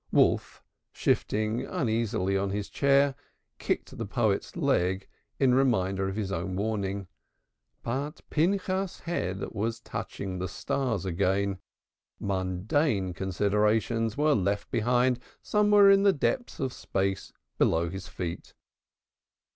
Wolf, shifting uneasily on his chair, kicked the poet's leg in reminder of his own warning. But Pinchas's head was touching the stars again. Mundane considerations were left behind somewhere in the depths of space below his feet.